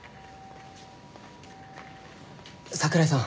桜井さん